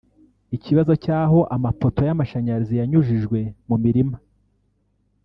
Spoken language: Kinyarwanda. Ikibazo cy’aho amapoto y’amashanyarazi yanyurijwe mu mirima